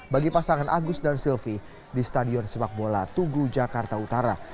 bagi pasangan agus dan silvi di stadion sepak bola tugu jakarta utara